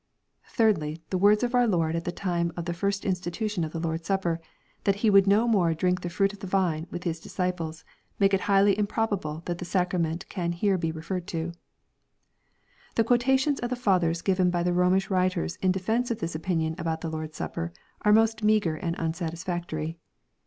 — Thirdly, the words of our Lord at the time of the first institution of the Lord's Supper, that He would no more " drink the fruit of the vine" with His disciples, make it highly improbable that the sac rament can be here referred to. The quotations of the Fathers given by the Romish writers in defence of this opinion about the Lord's Supper are most meagre and unsatisfactory.